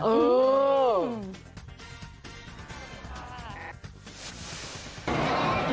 อื้อ